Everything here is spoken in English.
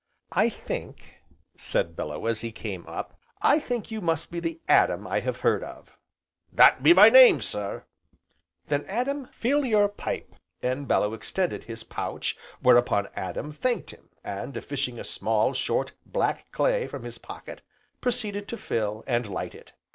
"I think," said Bellew, as he came up, "I think you must be the Adam I have heard of." "That be my name, sir." "Then Adam, fill your pipe," and Bellew extended his pouch, whereupon Adam thanked him, and fishing a small, short, black clay from his pocket, proceeded to fill, and light it.